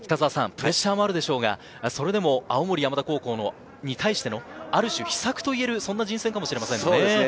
プレッシャーもあるでしょうが、それでも青森山田高校に対しての、ある種秘策といえるそんな人選かもしれないですね。